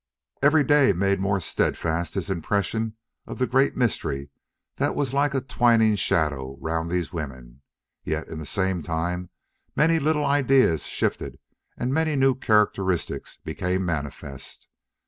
Every day made more steadfast his impression of the great mystery that was like a twining shadow round these women, yet in the same time many little ideas shifted and many new characteristics became manifest.